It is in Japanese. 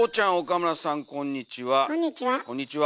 こんにちは。